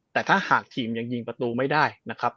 แต่ถ้าหากทีมยังยิงประตูไม่ได้